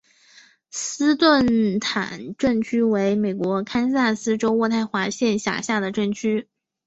斯坦顿镇区为美国堪萨斯州渥太华县辖下的镇区。